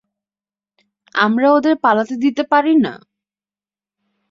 আমরা ওদের পালাতে দিতে পারি না!